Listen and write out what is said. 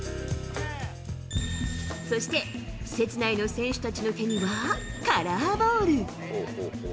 そして施設内の選手たちの手にはカラーボール。